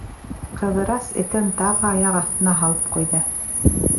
Ҡыҙырас этен тағы аяҡ аҫтына һалып ҡуйҙы.